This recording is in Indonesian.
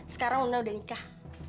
sekarang luna udah nikah